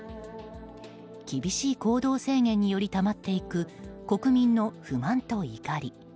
厳しい行動制限によりたまっていく国民の不満と怒り。